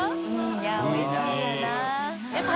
いやおいしいよな。